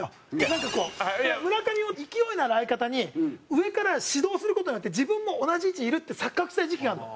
なんかこう村上も勢いのある相方に上から指導する事によって自分も同じ位置にいるって錯覚した時期があるの。